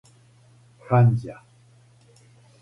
ханђа